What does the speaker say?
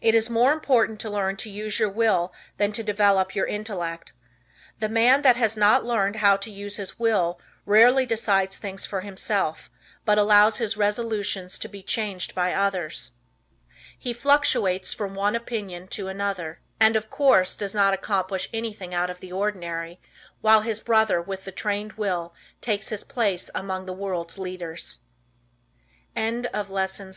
It is more important to learn to use your will than to develop your intellect. The man that has not learned how to use his will rarely decides things for himself, but allows his resolutions to be changed by others. He fluctuates from one opinion to another, and of course does not accomplish anything out of the ordinary, while his brother with the trained will takes his place among the world's leaders. LESSON VII. THE CONCEN